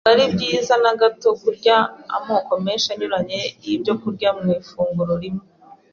Ntabwo ari byiza na gato kurya amoko menshi anyuranye y’ibyokurya mu ifunguro rimwe.